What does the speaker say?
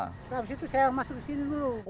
habis itu saya masuk ke sini dulu